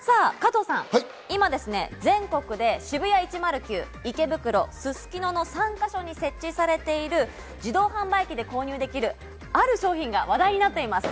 加藤さん、今、全国でＳＨＩＢＵＹＡ１０９、池袋、すすきのの３か所に設置されている自動販売機で購入できる、ある商品が話題になっています。